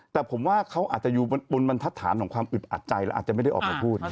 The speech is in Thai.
แต่ผมว่าเขาอาจจะอยู่บนบรรทัศน์ของความอึดอัดใจแล้วอาจจะไม่ได้ออกมาพูด